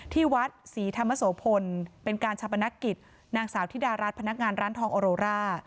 ที่วัดศรีธรรมโสพลเป็นการชาปนักกิจนางสาวธิดารัฐพนักงานร้านทองออโรร่า